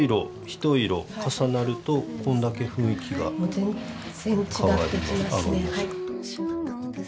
全然違ってきますね。